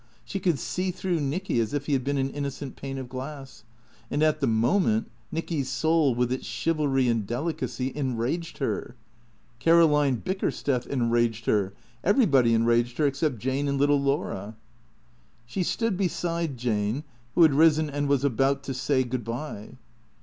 She could see through Nicky as if he had been an innocent pane of glass. And at the moment Xicky's soul with its chivalry and delicacy enraged her. Caro line Bickersteth enraged her, everybody enraged her except Jane and little Laura. She stood beside Jane, who had risen and was about to say good bye.